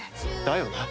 だよな。